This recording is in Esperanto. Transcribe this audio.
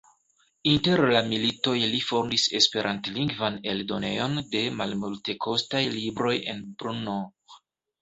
Inter la militoj li fondis esperantlingvan eldonejon de malmultekostaj libroj en Brno.